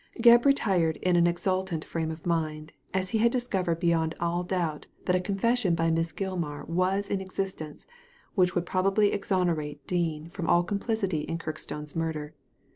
Gebb retired in an exultant frame of mind, as he had discovered beyond all doubt that a con fession by Miss Gilmar was in existence which would probably exonerate Dean from all complicity in Kirk stone's murder.